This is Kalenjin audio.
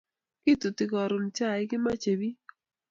Kituti karun chaik kimache pik